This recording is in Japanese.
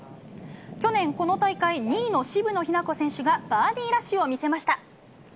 去年、この大会２位の渋野日向子選手がバーディーラッシュを見せました。